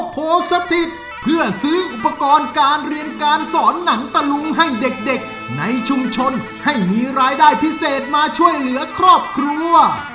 โพสถิตเพื่อซื้ออุปกรณ์การเรียนการสอนหนังตะลุงให้เด็กในชุมชนให้มีรายได้พิเศษมาช่วยเหลือครอบครัว